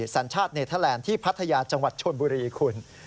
สัญชาติเนเทอร์แลนด์ที่พัทยาจังหวัดชนบุรีคุณ